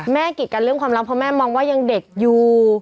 กิดกันเรื่องความรักเพราะแม่มองว่ายังเด็กอยู่